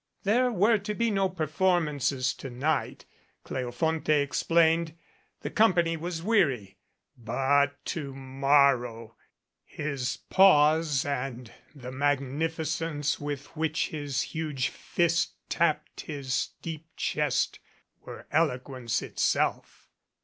There were to be no per formances to night, Cleofonte explained, the company was weary ; but to morrow ! His pause and the magnificence with which his huge fist tapped his deep chest were elo quence itself.